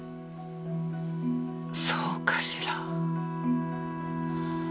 そうかしら？